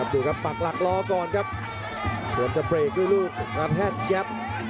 ดูครับปักหลักรอก่อนครับควรจะเบรกด้วยลูกกระแทกแยบ